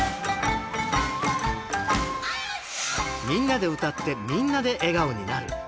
みんなでうたってみんなで笑顔になる。